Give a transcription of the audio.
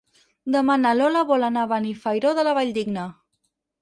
Demà na Lola vol anar a Benifairó de la Valldigna.